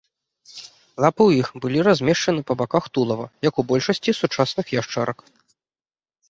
Лапы ў іх былі размешчаны па баках тулава, як у большасці сучасных яшчарак.